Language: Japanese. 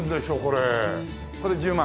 これ１０万？